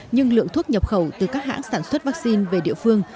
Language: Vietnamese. nhưng lượng thuốc nhập khẩu từ các hãng sản xuất vaccine về địa phương